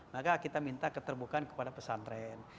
maka kita minta keterbukaan kepada pesantren